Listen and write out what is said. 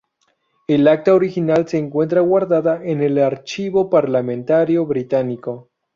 El acta original se encuentra guardada en el Archivo Parlamentario británico.